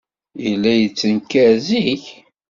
Yella yettenkar zik.